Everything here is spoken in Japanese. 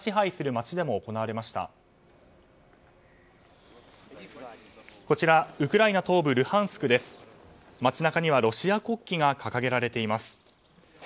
街中にはロシア国旗が掲げられています。